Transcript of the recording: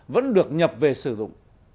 vẫn được nhập về sử dụng